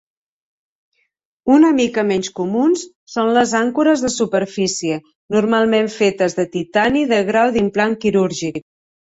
Una mica menys comuns són les àncores de superfície, normalment fetes de titani de grau d'implant quirúrgic.